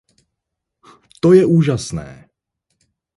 To je úžasné!